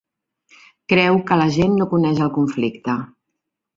Creu que la gent no coneix el conflicte.